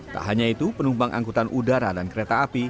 tak hanya itu penumpang angkutan udara dan kereta api